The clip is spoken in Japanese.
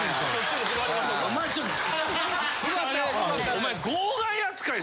お前。